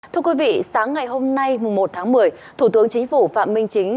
thưa quý vị sáng ngày hôm nay một tháng một mươi thủ tướng chính phủ phạm minh chính